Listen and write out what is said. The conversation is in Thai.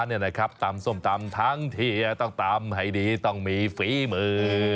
ทำส้มตำทั้งเทียต้องทำให้ดีต้องมีฟรีมือ